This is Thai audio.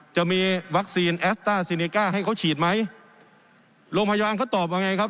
จะมีวัคซีนแอสต้าซีเนก้าให้เขาฉีดไหมโรงพยาบาลเขาตอบว่าไงครับ